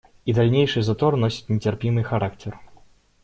И дальнейший затор носит нетерпимый характер.